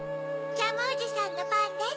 ジャムおじさんのパンです。